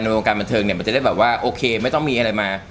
วงการบันเทิงเนี่ยมันจะได้แบบว่าโอเคไม่ต้องมีอะไรมา